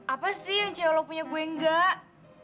apa sih yang cewe lo punya gue enggak